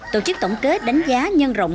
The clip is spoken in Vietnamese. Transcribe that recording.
tổ chức tổng kết đánh giá nhân rộng